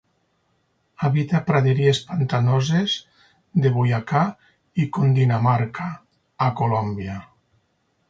Habita praderies pantanoses de Boyacá i Cundinamarca, a Colòmbia.